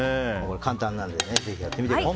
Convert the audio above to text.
簡単なのでぜひやってみてください。